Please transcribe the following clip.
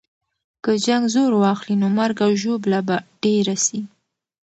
که جنګ زور واخلي، نو مرګ او ژوبله به ډېره سي.